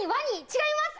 違います